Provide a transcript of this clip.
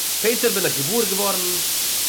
שפּעטער בין איך געוואויר געוואָרן